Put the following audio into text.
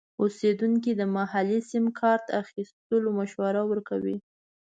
اوسیدونکي د محلي سیم کارت اخیستلو مشوره ورکوي.